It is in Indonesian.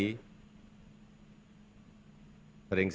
yang kami cintai